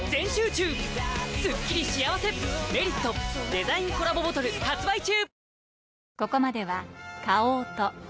デザインコラボボトル発売中！